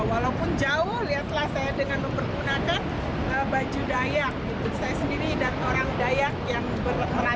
walaupun jauh lihatlah saya dengan mempergunakan baju dayak untuk saya sendiri dan orang dayak yang berperan